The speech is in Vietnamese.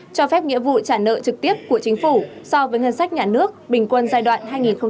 cho phép nghĩa vụ trả nợ trực tiếp của chính phủ so với ngân sách nhà nước bình quân giai đoạn hai nghìn hai mươi một hai nghìn hai mươi năm